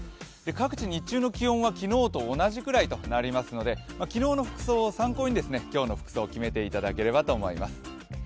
各地、日中の気温は昨日と同じくらいとなりますので昨日の服装を参考に今日の服装を決めていただければと思います。